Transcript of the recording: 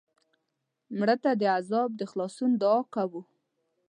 مړه ته د عذاب د خلاصون دعا کوو